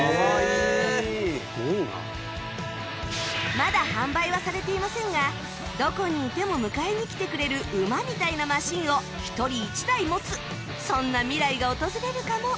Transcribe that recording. まだ販売はされていませんがどこにいても迎えに来てくれる馬みたいなマシンを１人１台持つそんな未来が訪れるかも